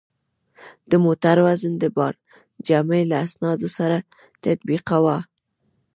د موټر وزن د بارجامې له اسنادو سره تطبیقاوه.